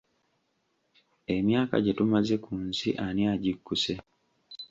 Emyaka gye tumaze ku nsi ani agikkuse?